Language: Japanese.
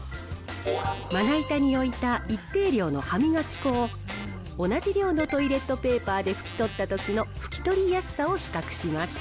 まな板に置いた一定量の歯磨き粉を同じ量のトイレットペーパーで拭き取ったときの、拭き取りやすさを比較します。